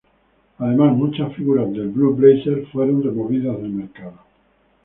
Además, muchas figuras del "Blue Blazer" fueron removidas del mercado.